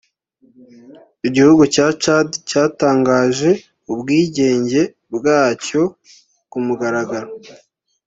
Igihugu cya Chad cyatangaje ubwigenge bwacyo ku mugaragaro